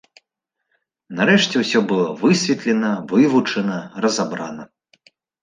Нарэшце ўсё было высветлена, вывучана, разабрана.